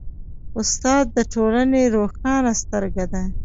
استاد د ټولنې روښانه سترګه ده.